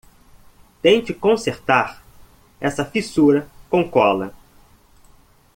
Tente consertar essa fissura com cola.